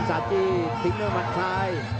สาจีทิ้งด้วยมัดซ้าย